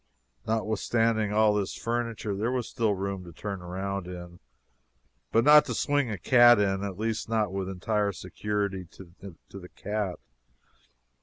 Notwithstanding all this furniture, there was still room to turn around in, but not to swing a cat in, at least with entire security to the cat.